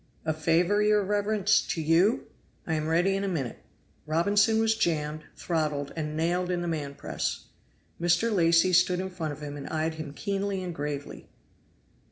"A favor, your reverence, to you? I am ready in a minute." Robinson was jammed, throttled, and nailed in the man press. Mr. Lacy stood in front of him and eyed him keenly and gravely.